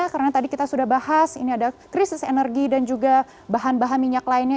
karena tadi kita sudah bahas ini ada krisis energi dan juga bahan bahan minyak lainnya